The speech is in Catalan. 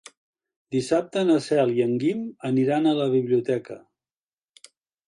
Dissabte na Cel i en Guim aniran a la biblioteca.